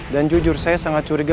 dan jujur saya sangat curiga